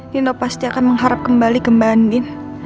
dino pasti akan mengharap kembali ke mbak andin